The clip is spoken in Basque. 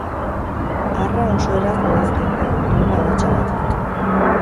Arra oso erraz bereizten da, duen adatsagatik.